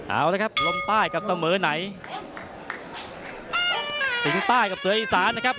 เอาละครับลมใต้กับเสมอไหนสิงห์ใต้กับเสืออีสานนะครับ